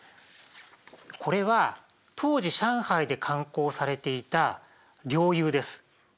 これは当時上海で刊行されていた「良友」です。